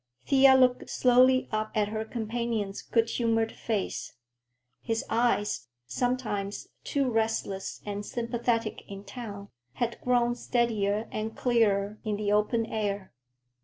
Thea looked slowly up at her companion's good humored face. His eyes, sometimes too restless and sympathetic in town, had grown steadier and clearer in the open air.